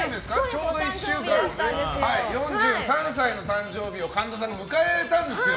ちょうど１週間前４３歳の誕生日を神田さんが迎えたんですよ。